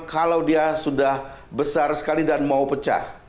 kalau dia sudah besar sekali dan mau pecah